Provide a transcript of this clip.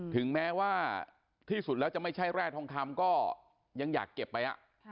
ถึงแม้ว่าที่สุดแล้วจะไม่ใช่แร่ทองคำก็ยังอยากเก็บไป